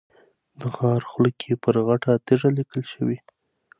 د غار خوله کې پر غټه تیږه لیکل شوي.